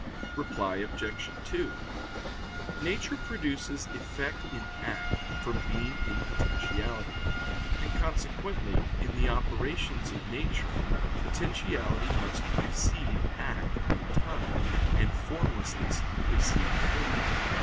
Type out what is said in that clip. Reply Obj. 2: Nature produces effect in act from being in potentiality; and consequently in the operations of nature potentiality must precede act in time, and formlessness precede form.